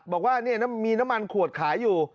บอกว่ามีน้ำมันขวดขายอยู่